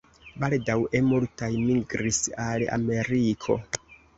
Baldaŭe multaj migris al Ameriko.